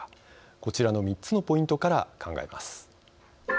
こちらの３つのポイントから考えます。